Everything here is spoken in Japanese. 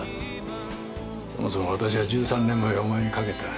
そもそも私は１３年前お前にかけた。